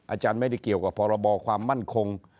อาจารย์ไม่ได้เกี่ยวกับพรบความมั่นคง